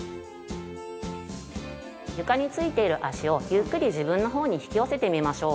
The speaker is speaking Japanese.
床についている足をゆっくり自分の方に引き寄せてみましょう。